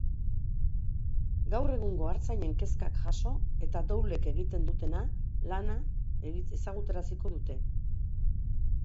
Gaur egungo artzainen kezkak jaso eta doulek egiten dutena lana ezagutaraziko dute.